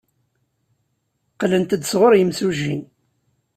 Qqlent-d sɣur yimsujji.